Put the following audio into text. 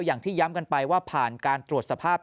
อย่างที่ย้ำกันไปว่าผ่านการตรวจสภาพ